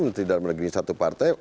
menteri dan menteri satu partai